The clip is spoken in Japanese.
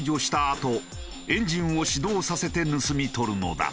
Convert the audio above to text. あとエンジンを始動させて盗み取るのだ。